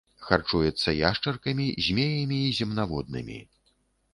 Харчуецца яшчаркамі, змеямі і земнаводнымі.